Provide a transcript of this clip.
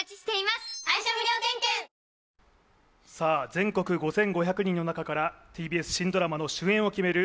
全国５５００人の中からＴＢＳ新ドラマの主演を決める